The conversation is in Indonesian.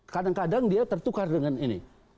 kadang kadang dia tertukar dengan ini